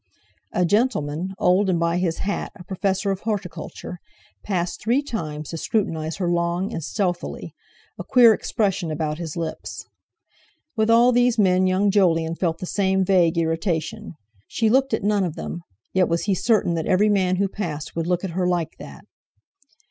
A gentleman, old, and, by his hat, a professor of horticulture, passed three times to scrutinize her long and stealthily, a queer expression about his lips. With all these men young Jolyon felt the same vague irritation. She looked at none of them, yet was he certain that every man who passed would look at her like that.